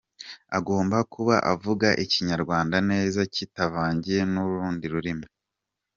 Agomba kuba avuga ikinyarwanda neza kitavangiye n’urundi rurimi.